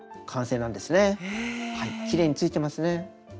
きれいについてますね。